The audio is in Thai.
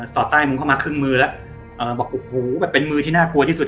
สอดใต้มุ้งเข้ามาครึ่งมือเออบอกหูเป็นมือที่น่ากลัวที่สุด